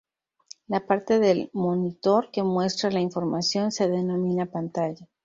La parte del monitor que muestra la información se denomina pantalla.